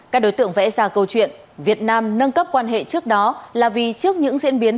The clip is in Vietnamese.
các đối tượng vẽ ra câu chuyện việt nam nâng cấp quan hệ trước đó là vì trước những diễn biến